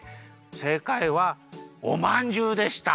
せいかいはおまんじゅうでした。